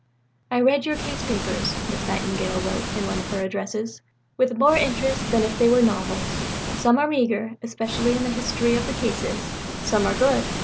"I read your Case papers," Miss Nightingale wrote in one of her Addresses, "with more interest than if they were novels. Some are meagre, especially in the history of the cases. Some are good.